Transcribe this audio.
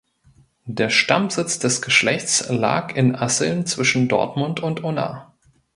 Der Stammsitz des Geschlechts lag in Asseln zwischen Dortmund und Unna.